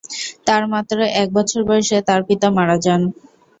তার মাত্র এক বছর বয়সে তার পিতা মারা যান।